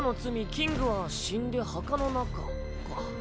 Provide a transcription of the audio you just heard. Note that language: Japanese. キングは死んで墓の中か。